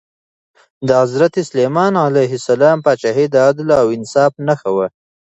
د حضرت سلیمان علیه السلام پاچاهي د عدل او انصاف نښه وه.